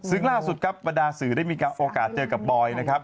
ซึ่งล่าสุดครับบรรดาสื่อได้มีโอกาสเจอกับบอยนะครับ